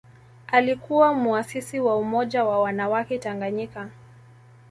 Alikuwa muasisi wa Umoja wa wanawake Tanganyika